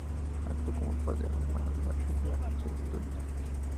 Actuó como el padre de las hermanas en la película "Chestnut".